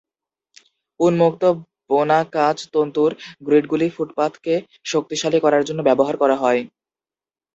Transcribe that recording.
উন্মুক্ত- বোনা কাচ তন্তুর গ্রিডগুলি ফুটপাথকে শক্তিশালী করার জন্য ব্যবহার করা হয়।